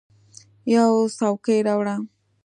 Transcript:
یوه څوکۍ راوړه !